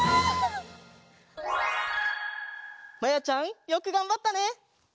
まやちゃんよくがんばったね！